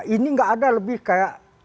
ini nggak ada lebih kayak